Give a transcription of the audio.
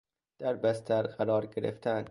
در بستر قرار گرفتن